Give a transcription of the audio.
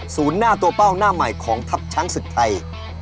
หน้าตัวเป้าหน้าใหม่ของทัพช้างศึกไทย